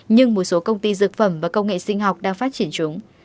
nhưng một số công ty dược phẩm và công nghệ sinh học đang phát triển chúng